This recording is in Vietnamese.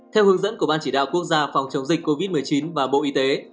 theo hướng dẫn của ban chỉ đạo quốc gia phòng chống dịch covid một mươi chín và bộ y tế